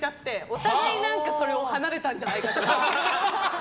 お互い離れたんじゃないかとか。